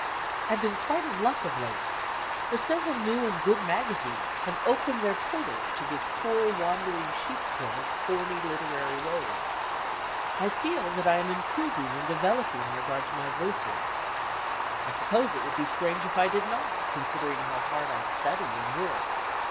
I've been quite in luck of late, for several new and good magazines have opened their portals to this poor wandering sheepkin of thorny literary ways. I feel that I am improving and developing in regard to my verses. I suppose it would be strange if I did not. i«ii b, Google considering how hard I study and work.